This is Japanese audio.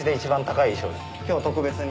今日特別に。